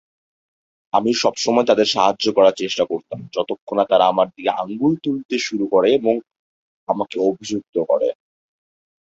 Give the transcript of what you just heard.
আমি সবসময় তাদের সাহায্য করার চেষ্টা করতাম যতক্ষণ না তারা আমার দিকে আঙুল তুলতে শুরু করে এবং আমাকে অভিযুক্ত করে।